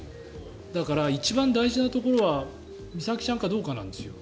だから一番大事なところは美咲ちゃんかどうかなんですよ。